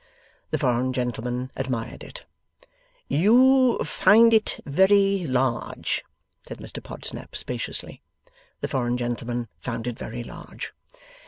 The foreign gentleman admired it. 'You find it Very Large?' said Mr Podsnap, spaciously. The foreign gentleman found it very large.